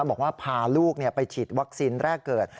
บอกว่าพาลูกไปฉีดวัคซีนแรกเกิด